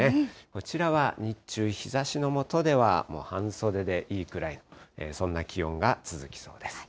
こちらは日中、日ざしのもとでは、半袖でいいくらい、そんな気温が続きそうです。